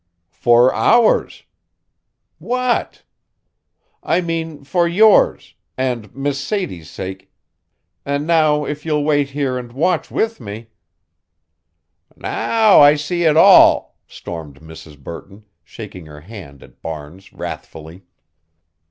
"For hours" "What?" "I mean for yours and Miss Sadie's sake, and now if you'll wait here and watch with me" "Now I see it all," stormed Mrs. Burton, shaking her hand at Barnes wrathfully.